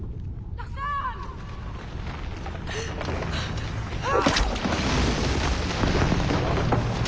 ああ。